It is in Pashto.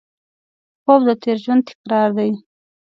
خوب د تېر ژوند تکرار دی